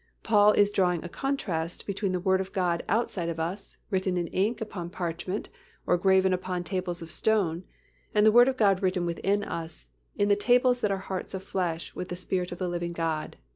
Paul is drawing a contrast between the Word of God outside of us, written with ink upon parchment or graven on tables of stone, and the Word of God written within us in tables that are hearts of flesh with the Spirit of the living God (v.